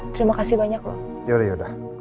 terima kasih banyak loh